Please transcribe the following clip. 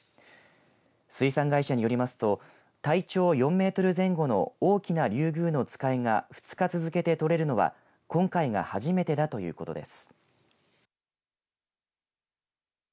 水産会社によりますと体長４メートル前後の大きなリュウグウノツカイが２日続けて取れるのは今回が初めてだということです。